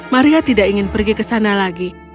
maria tidak ingin pergi ke sana lagi